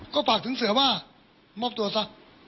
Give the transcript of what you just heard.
ก็ฝากถึงเสือว่ามอบตัวซะ